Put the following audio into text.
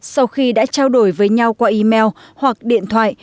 sau khi đã trao đổi với nhau qua email hoặc điện thoại